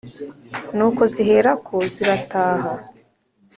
nuko ziherako zirataha.